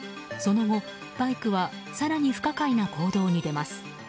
その後、バイクは更に不可解な行動に出ます。